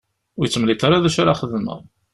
Ur iyi-d-temliḍ ara d acu ara xedmeɣ.